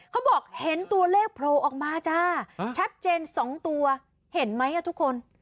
เขาบอกเห็นตัวเลขโผล่ออกมาจ้าชัดเจน๒ตัวเห็นไหมทุกคน